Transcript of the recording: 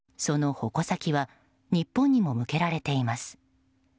その矛先は日本にも向けられています。